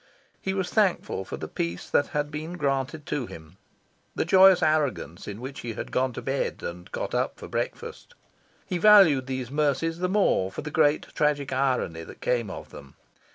He was thankful for the peace that had been granted to him, the joyous arrogance in which he had gone to bed and got up for breakfast. He valued these mercies the more for the great tragic irony that came of them.